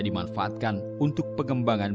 dimanfaatkan untuk pengembangan